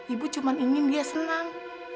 ibu cuma ingin dia senang